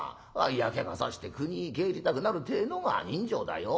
嫌気がさして国に帰りたくなるてえのが人情だよ。